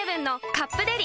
「カップデリ」